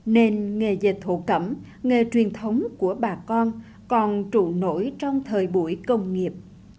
nên nghề dệt thổ cẩm nghề truyền thống của bà con còn trụ nổi trong thời buổi công nghiệp